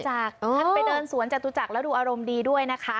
ท่านไปเดินสวนจตุจักรแล้วดูอารมณ์ดีด้วยนะคะ